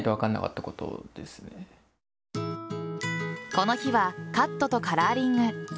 この日はカットとカラーリング。